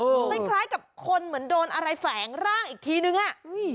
คล้ายกับคนเหมือนโดนอะไรแฝงร่างอีกทีนึงอ่ะ